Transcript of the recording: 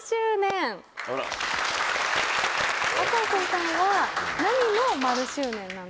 赤楚さんは何の○周年なんですか？